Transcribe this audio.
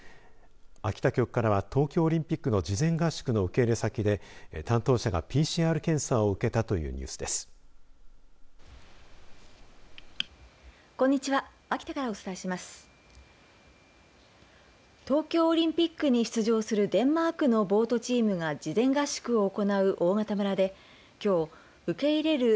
秋田局からは東京オリンピックの事前合宿の受け入れ先で担当者がＰＣＲ検査を受けたというニュースです。